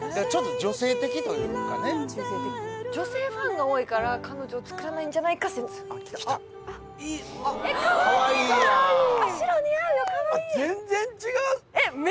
ちょっと女性的というかね女性ファンが多いから彼女作らないんじゃないか説あっいいかわいいじゃん！